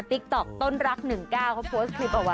ติ๊กต๊อกต้นรัก๑๙เขาโพสต์คลิปเอาไว้